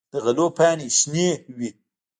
د غلو پاڼې شنه وي.